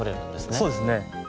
そうですね。